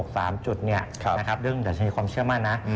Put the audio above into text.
ดัชนีความเชื่อมั่นนะ